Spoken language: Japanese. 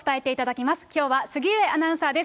きょうは杉上アナウンサーです。